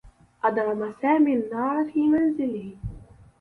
أضرم سامي النّار في منزله.